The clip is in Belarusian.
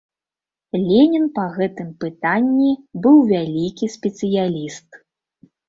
Ленін па гэтым пытанні быў вялікі спецыяліст.